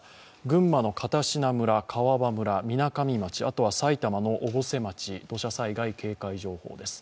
群馬の片品村、川場村、みなかみ町、あとは埼玉の越生町、土砂災害警戒情報です。